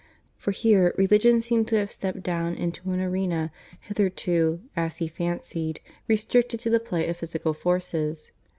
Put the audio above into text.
For here religion seemed to have stepped down into an arena hitherto (as he fancied) restricted to the play of physical forces.